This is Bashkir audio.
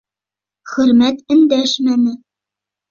Хөрмәт өндәшмәне.